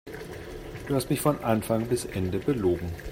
Du hast mich von Anfang bis Ende belogen.